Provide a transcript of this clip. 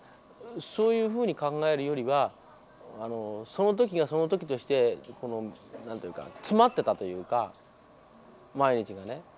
そういうふうに考えるよりはその時がその時として詰まってたというか毎日がね。